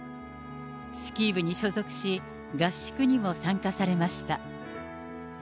スキー部に所属し、合宿にも参加されました。